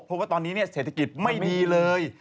เพราะว่าตอนนี้เศรษฐกิจไม่ดีเลย